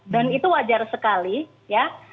dan itu wajar sekali ya